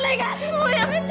もうやめて。